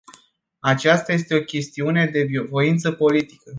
Aceasta este o chestiune de voință politică.